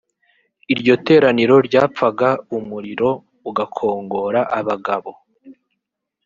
iryo teraniro ryapfaga umuriro ugakongora abagabo